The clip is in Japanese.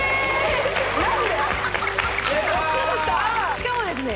しかもですね